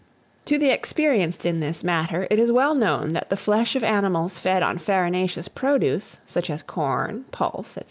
To the experienced in this matter, it is well known that the flesh of animals fed on farinaceous produce, such as corn, pulse, &c.